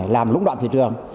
làm lũng đoạn thị trường